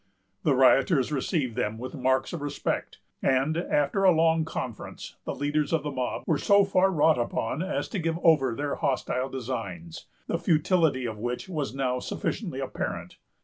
The rioters received them with marks of respect; and, after a long conference, the leaders of the mob were so far wrought upon as to give over their hostile designs, the futility of which was now sufficiently apparent.